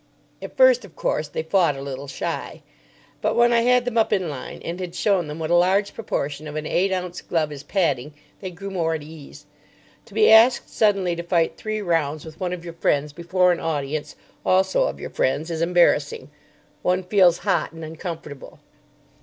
At first, of course, they fought a little shy. But when I had them up in line, and had shown them what a large proportion of an eight ounce glove is padding, they grew more at ease. To be asked suddenly to fight three rounds with one of your friends before an audience, also of your friends, is embarrassing. One feels hot and uncomfortable.